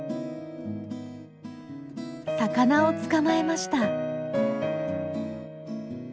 魚を捕まえました！